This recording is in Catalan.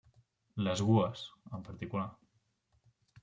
Les gúes, en particular.